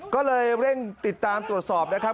ก็เลยเร่งติดตามตรวจสอบนะครับ